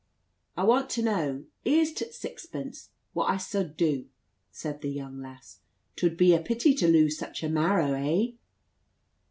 "I want to know here's t' sixpence what I sud du," said the young lass. "'Twud be a pity to lose such a marrow, hey?"